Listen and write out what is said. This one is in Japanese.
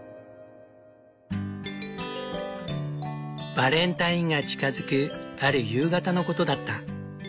バレンタインが近づくある夕方のことだった。